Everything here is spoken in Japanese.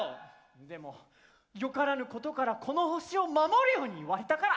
でもよからぬことからこの星を守るように言われたから。